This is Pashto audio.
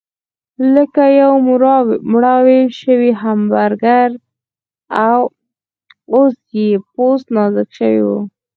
لکه یو مړاوی شوی همبرګر، اوس یې پوست نازک شوی و.